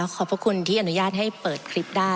ขอบพระคุณที่อนุญาตให้เปิดคลิปได้